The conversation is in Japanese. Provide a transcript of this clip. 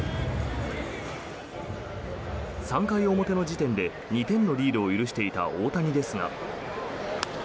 ３回表の時点で２点のリードを許していた大谷ですが。